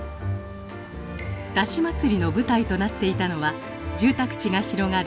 山車祭りの舞台となっていたのは住宅地が広がる